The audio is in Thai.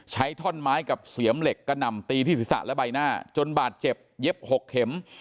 ท่อนไม้กับเสียมเหล็กกระหน่ำตีที่ศีรษะและใบหน้าจนบาดเจ็บเย็บ๖เข็ม